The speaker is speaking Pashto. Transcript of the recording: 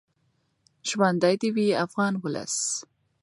ژوندی دې وي افغان ولس.